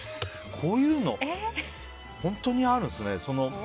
こういうの、本当にあるんですね。